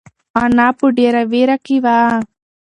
انا په ډېره وېره کې وه.